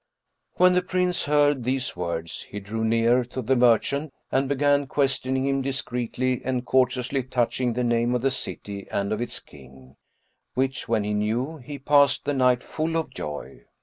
When the Prince heard these words, he drew near to the merchant and began questioning him discreetly and courteously touching the name of the city and of its King; which when he knew, he passed the night full of joy.